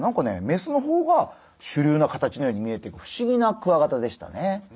メスの方が主流な形のように見えてく不思議なクワガタでしたね。